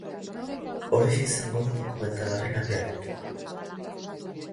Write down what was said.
Horixe izango da dokumentalaren abiapuntua.